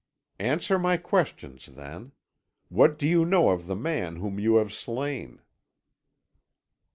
"Answer my questions, then. What do you know of the man whom you have slain?"